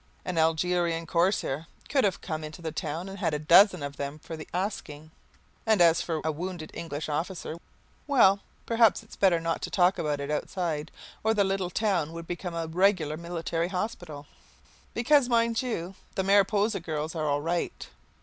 An Algerian corsair could have come into the town and had a dozen of them for the asking, and as for a wounded English officer, well, perhaps it's better not to talk about it outside or the little town would become a regular military hospital. Because, mind you, the Mariposa girls are all right.